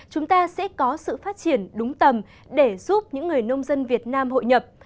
chúng ta sẽ có sự phát triển đúng tầm để giúp những người nông dân việt nam hội nhập